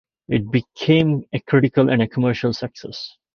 It became a critical and commercial success.